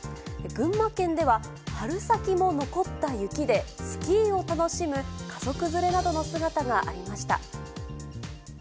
群馬県では、春先も残った雪でスキーを楽しむ家族連れなどの姿がありました。